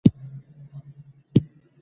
هلک د کلا په کوټه کې ناست و.